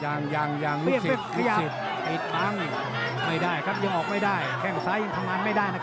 แข่งซ้ายทำงานไม่ได้นะครับ